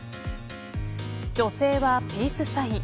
女性はピースサイン。